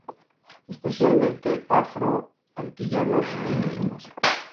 Especialmente afro antillanos e indígenas.